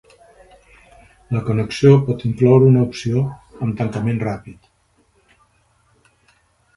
La connexió pot incloure una opció amb tancament ràpid.